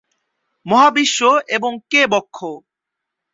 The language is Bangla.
মহাবিশ্ব এবং কে ব্রহ্ম।